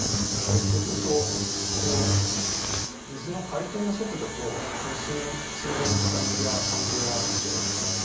そうするとこの水の回転の速度とこの水面の傾きが関係があって。